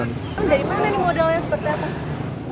dari mana nih modalnya seperti apa